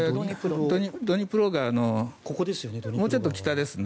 ドニプロ川のもうちょっと北ですね。